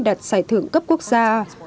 đạt giải thưởng cấp quốc gia